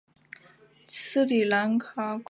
斯里兰卡共有两名游泳运动员参加奥运。